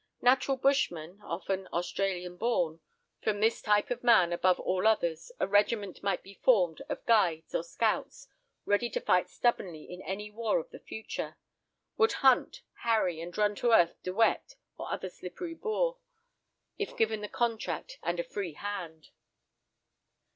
Natural bushmen, often Australian born; from this type of man, above all others, a regiment might be formed of "Guides" or "Scouts," ready to fight stubbornly in any war of the future; would hunt, harry, and run to earth De Wet, or other slippery Boer, if given the contract and a "free hand."